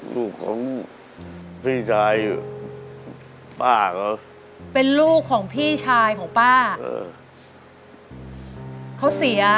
ลูกของพี่ชายป้าเขาเป็นลูกของพี่ชายของป้าเขาเสีย